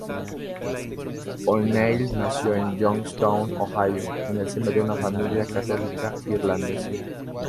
O'Neill nació en Youngstown, Ohio en el seno de una familia católica irlandesa.